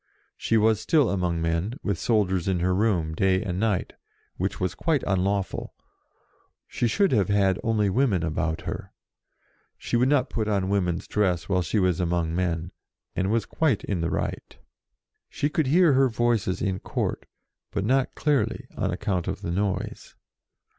She was still among men, with soldiers in her room, day and night, which was quite unlawful ; she should have had only women about her. She would not put on women's dress while she was among men, and was quite in the right. She could hear her Voices in Court, but not clearly on account of the noise.